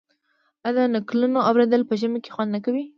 آیا د نکلونو اوریدل په ژمي کې خوند نه کوي؟